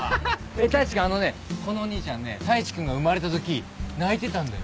太一君あのねこのお兄ちゃんね太一君が生まれた時泣いてたんだよ。